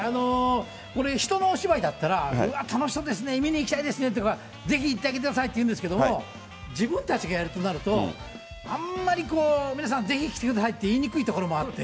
これ、人のお芝居だったら、うわ、楽しそうですね、見に行きたいですねとか、ぜひ行ってあげてくださいって言うんですけども、自分たちがやるとなると、あんまりこう、皆さん、ぜひ来てくださいって言いにくいところもあって。